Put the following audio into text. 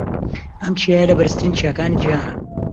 ئەم چیایە لە بەرزترین چیاکانی جیھانە.